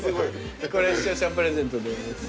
これ視聴者プレゼントです。